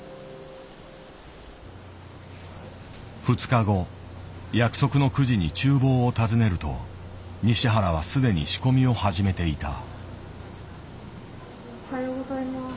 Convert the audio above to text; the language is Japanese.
２日後約束の９時に厨房を訪ねると西原は既に仕込みを始めていた。